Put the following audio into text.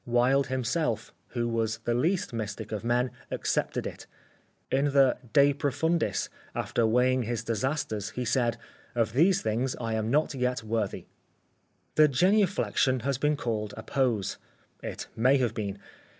Wilde himself, who was the least mystic of men, accepted it. In the "De Profundis," after weighing his disasters, he said: "Of these things I am not yet worthy." The genuflexion has been called a pose. It may have been.